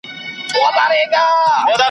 استادانو چلول درانه بارونه `